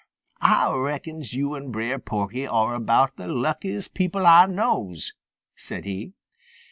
"Ah reckons yo' and Brer Porky are about the luckiest people Ah knows," said he.